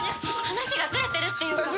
話がずれてるっていうか。